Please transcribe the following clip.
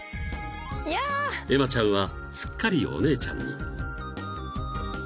［エマちゃんはすっかりお姉ちゃんに］